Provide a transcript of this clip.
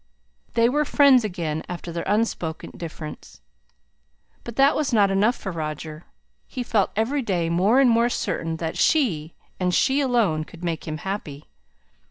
They were friends again after their unspoken difference; but that was not enough for Roger. He felt every day more and more certain that she, and she alone, could make him happy.